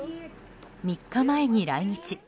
３日前に来日。